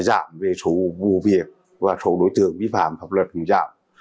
đặc biệt là địa bàn gân giới